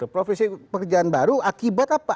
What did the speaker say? profesi pekerjaan baru akibat apa